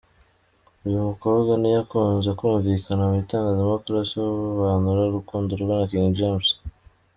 Uyu mukobwa ntiyakunze kumvikana mu itangazamakuru asobanura urukundo rwe na King James.